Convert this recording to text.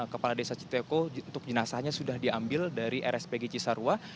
kepala desa citeko untuk jenazahnya sudah diambil dari rspg cisarua